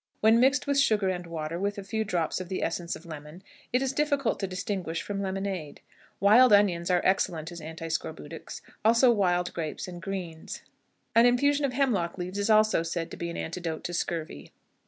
When mixed with sugar and water, with a few drops of the essence of lemon, it is difficult to distinguish it from lemonade. Wild onions are excellent as antiscorbutics; also wild grapes and greens. An infusion of hemlock leaves is also said to be an antidote to scurvy.